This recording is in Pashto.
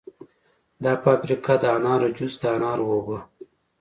دا فابریکه د انارو جوس، د انارو اوبه